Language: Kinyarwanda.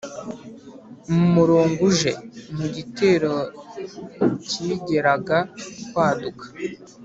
Mu murongo uje: mu gitero kigeraga kwaduka.